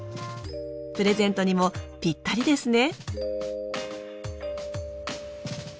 プレゼントにもぴったりですね。